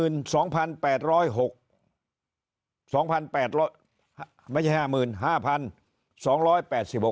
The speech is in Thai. แล้ว